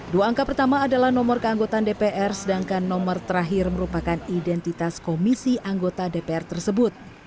dua angka pertama adalah nomor keanggotaan dpr sedangkan nomor terakhir merupakan identitas komisi anggota dpr tersebut